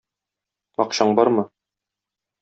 Акчаң бармы?